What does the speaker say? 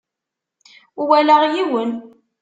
Ur walaɣ yiwen.